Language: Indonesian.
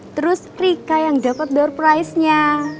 terus rika yang dapat door price nya